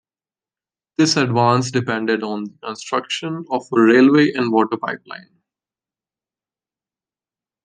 This advance depended on the construction of a railway and water pipeline.